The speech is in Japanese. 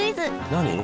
何？